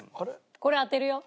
これ当てるよ。